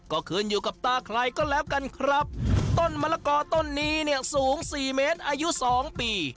ก็ขึ้นอยู่กับตาใครก็แล้วกันครับต้นมะละกอต้นนี้เนี่ยสูงสี่เมตรอายุสองปี